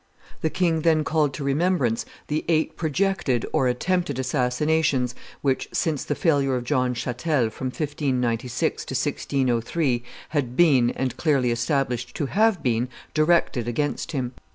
The king then called to remembrance the eight projected or attempted assassinations which, since the failure of John Chatel, from 1596 to 1603, had been, and clearly established to have been, directed against him.